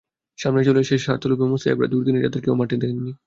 সামনে চলে এসেছে স্বার্থলোভী ও মোসাহেবেরা, দুর্দিনে যাদের কেউ মাঠে দেখেনি।